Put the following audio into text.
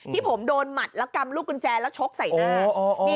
ที่ผมโดนหมัดแล้วกำลูกกุญแจแล้วชกใส่หน้า